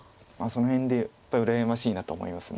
その辺でやっぱり羨ましいな思います。